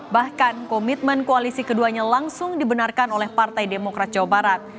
bahkan komitmen koalisi keduanya langsung dibenarkan oleh partai demokrat jawa barat